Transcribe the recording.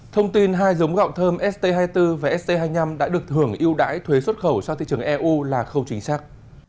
thông tin hai giống gạo thơm st hai mươi bốn và st hai mươi năm đã được hưởng ưu đãi thuế xuất khẩu sang thị trường eu là không chính xác